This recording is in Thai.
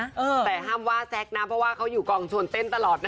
แต่ห้ามว่าแซ็กนะเพราะว่าเขาอยู่กองชวนเต้นตลอดนะ